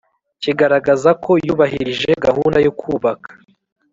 kigaragaza ko yubahirije gahunda yo kubaka